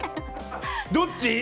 どっち？